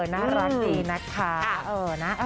น่ารักดีนะคะ